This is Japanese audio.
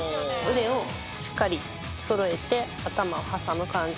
腕をしっかりそろえて頭を挟む感じ